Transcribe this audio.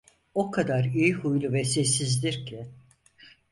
O kadar iyi huylu ve sessizdir ki!